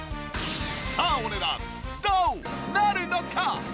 さあお値段どうなるのか！？